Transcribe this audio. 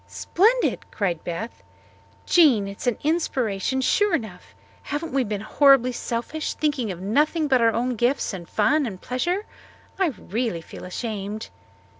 "Splendid!" cried Beth. "Jean, it is an inspiration, sure enough. Haven't we been horribly selfish thinking of nothing but our own gifts and fun and pleasure? I really feel ashamed."